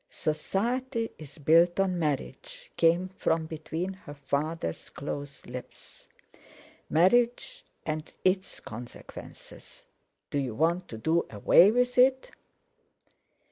"Society is built on marriage," came from between her father's close lips; "marriage and its consequences. Do you want to do away with it?"